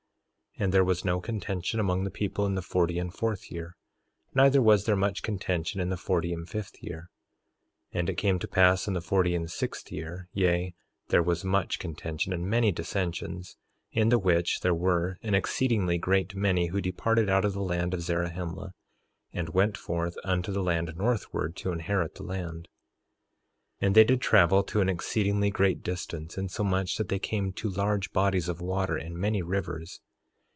3:2 And there was no contention among the people in the forty and fourth year; neither was there much contention in the forty and fifth year. 3:3 And it came to pass in the forty and sixth, yea, there was much contention and many dissensions; in the which there were an exceedingly great many who departed out of the land of Zarahemla, and went forth unto the land northward to inherit the land. 3:4 And they did travel to an exceedingly great distance, insomuch that they came to large bodies of water and many rivers.